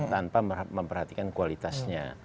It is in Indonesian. tanpa memperhatikan kualitasnya